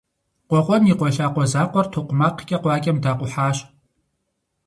Къуэкъуэн и къуэ лъакъуэ закъуэр токъумакъкӏэ къуакӏэм дакъухьащ.